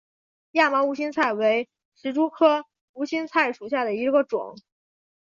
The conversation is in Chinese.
亚毛无心菜为石竹科无心菜属下的一个种。